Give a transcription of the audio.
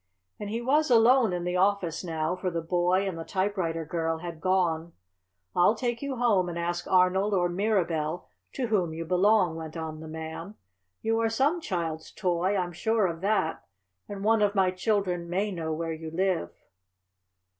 And he was alone in the office now, for the boy and the typewriter girl had gone. "I'll take you home and ask Arnold or Mirabell to whom you belong," went on the man. "You are some child's toy, I'm sure of that, and one of my children may know where you live."